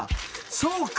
そうか！